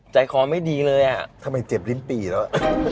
ใจคอไม่ดีเลยอ่ะทำไมเจ็บลิ้นปี่แล้ว